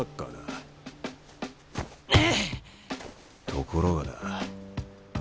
ところがだ